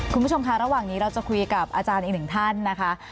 คุณผู้ชมค่ะระหว่างนี้เราจะคุยกับอาจารย์อีกหนึ่งท่านนะคะ